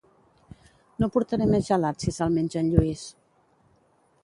No portaré més gelat si se'l menja en Lluís